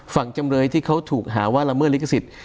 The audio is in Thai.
จำเลยที่เขาถูกหาว่าละเมิดลิขสิทธิ์